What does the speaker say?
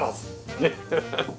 ねっ。